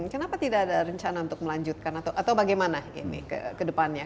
kenapa tidak ada rencana untuk melanjutkan atau bagaimana ini ke depannya